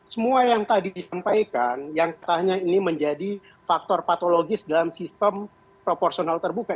semua yang tadi disampaikan yang katanya ini menjadi faktor patologis dalam sistem proporsional terbuka